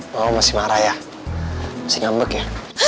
bapak masih marah ya masih ngambek ya